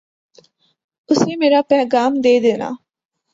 اسے میرا پیغام دے دینا